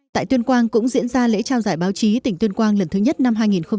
tại tuyên quang cũng diễn ra lễ trao giải báo chí tỉnh tuyên quang lần thứ nhất năm hai nghìn hai mươi